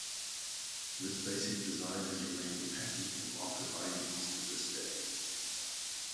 This basic design has remained the pattern for Marker bindings to this day.